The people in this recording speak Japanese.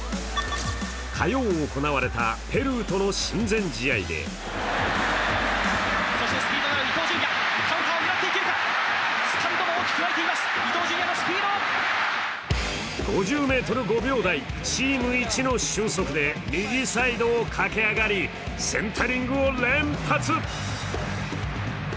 火曜行われたペルーとの親善試合で５０ｍ５秒台、チームいちの俊足で右サイドを駆け上がりセンタリングを連発！